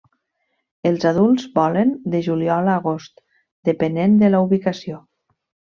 Els adults volen de juliol a l'agost, depenent de la ubicació.